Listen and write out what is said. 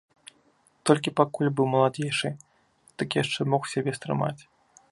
Толькі пакуль быў маладзейшы, дык яшчэ мог сябе стрымаць.